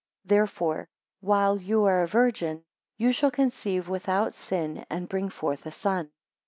10 Therefore while you are a Virgin, you shall conceive without sin, and bring forth a son.